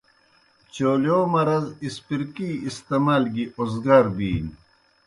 چولِیؤ مرض اسپرکی استعمال گی اوزگار ِبینیْ۔